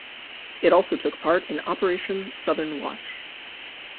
It also took part in Operation Southern Watch.